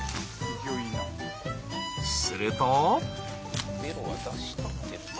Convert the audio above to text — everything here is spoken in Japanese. すると。